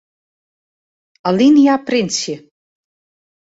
Alinea printsje.